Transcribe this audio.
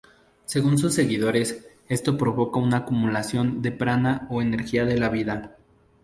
Según sus seguidores, esto provoca una acumulación de prana o energía de la vida.